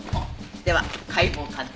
では解剖鑑定書。